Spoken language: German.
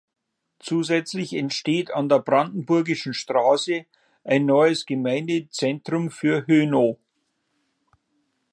Zusätzlich entsteht an der Brandenburgischen Straße ein neues Gemeindezentrum für Hönow.